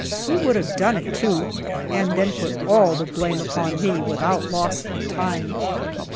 He would have done it, too, and then put all the blame upon me, without loss of time.